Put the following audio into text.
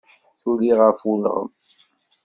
Tuli ɣef ulɣem.